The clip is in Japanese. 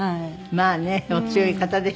まあねお強い方でしたからね。